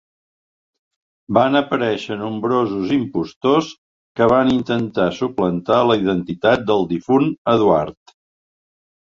Van aparèixer nombrosos impostors que van intentar suplantar la identitat del difunt Eduard.